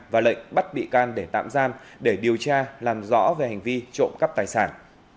và lệnh bắt bị can để tạm giam để điều tra làm rõ về hành vi trộm cắp tài sản